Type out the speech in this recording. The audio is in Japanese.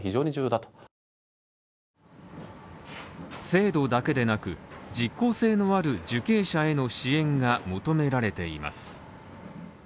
制度だけでなく、実効性のある受刑者への支援が求められています。